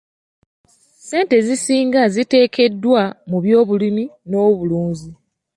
Ssente ezisinga ziteekeddwa mu by'obulimi n'obulunzi.